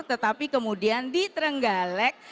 tetapi kemudian di trenggalek